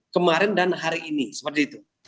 kemarin dan hari ini seperti itu